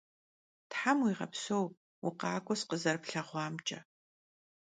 Them vuiğepseu, vukhak'ueu sıkhızerıplheğuamç'e.